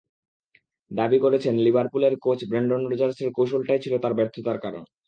দাবি করেছেন, লিভারপুলের কোচ ব্রেন্ডন রজার্সের কৌশলটাই ছিল তাঁর ব্যর্থতার কারণ।